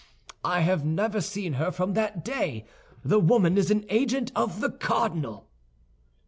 I have never seen her from that day. The woman is an agent of the cardinal."